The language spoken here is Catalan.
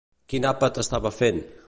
Quin àpat estava fent?